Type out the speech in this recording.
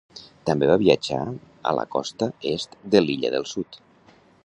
També va viatjar a la costa est de l'Illa del Sud.